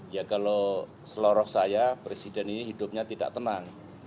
ya kalau seloroh saya presiden ini hidupnya tidak tenang